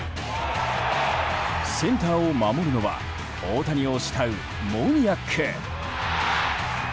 センターを守るのは大谷を慕うモニアック。